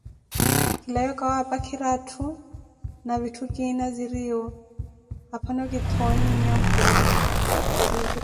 Kilawe kawaapakire atthu, na vitthu kiina ziriiwo, aphano kithoonye nyamphula.